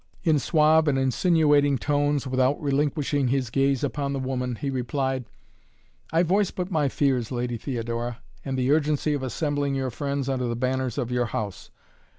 In suave and insinuating tones, without relinquishing his gaze upon the woman, he replied: "I voice but my fears, Lady Theodora, and the urgency of assembling your friends under the banners of your house.